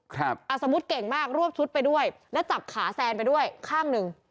สมมุติเก่งมากรวบชุดไปด้วยแล้วจับขาแซนไปด้วยข้างหนึ่ง